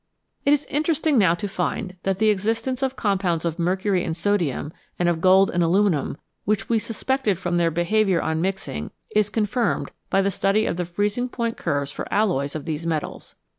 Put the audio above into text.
It is interesting now to find that the existence of compounds of mercury and sodium, and of gold and aluminium, which we suspected from their behaviour on mixing, is confirmed by a study of the freezing point curves for alloys of these metals.